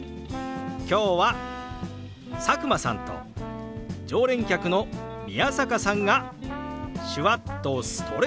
今日は佐久間さんと常連客の宮坂さんが手話っとストレッチ。